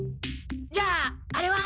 じゃああれは？